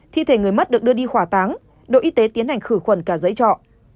thi thể người mất được đưa đi khỏa táng đội y tế tiến hành khử khuẩn cả dãy trọ